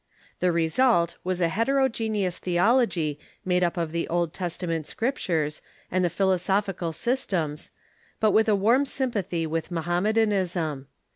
The result was a heterogeneous theology made up of the Old Testament Scriptures and the philosophical sys tems, but with a warm sympathy with Mohammedanism.